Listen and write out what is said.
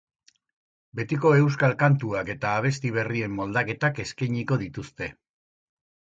Betiko euskal kantuak eta abesti berrien moldaketak eskainiko dituzte.